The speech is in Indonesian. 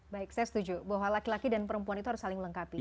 baik saya setuju bahwa laki laki dan perempuan itu harus saling melengkapi